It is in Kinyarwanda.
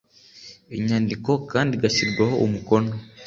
inyandiko kandi igashyirwaho umukono